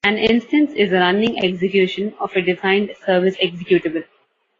An "instance" is a running execution of a defined service executable.